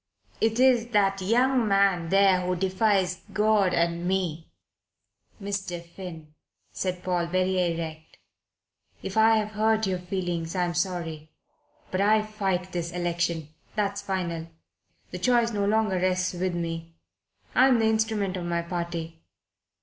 It is that young man there who defies God and me." "Mr. Finn," said Paul, very erect, "if I have hurt your feelings I am sorry. But I fight this election. That's final. The choice no longer rests with me. I'm the instrument of my party.